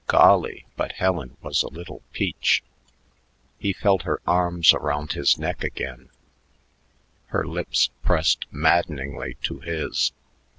Golly, but Helen was a little peach. He felt her arms around his neck again, her lips pressed maddeningly to his.